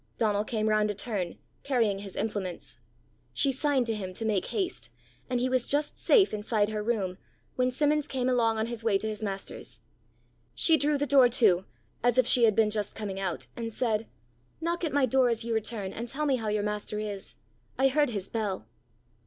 Donal came round a turn, carrying his implements. She signed to him to make haste, and he was just safe inside her room when Simmons came along on his way to his master's. She drew the door to, as if she had been just coming out, and said, "Knock at my door as you return, and tell me how your master is: I heard his bell."